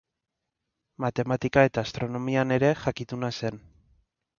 Matematika eta astronomian ere jakituna zen.